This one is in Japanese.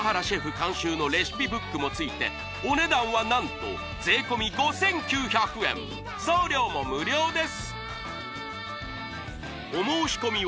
監修のレシピブックも付いてお値段は何と税込５９００円送料も無料です